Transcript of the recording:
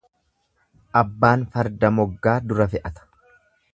Abbaan farda moggaa dura fe'ata.